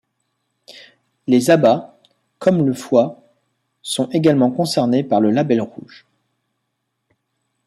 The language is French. Les abats, comme le foie, sont également concernés par le Label Rouge.